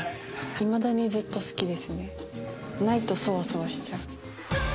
いまだにずっと好きですねないとそわそわしちゃう。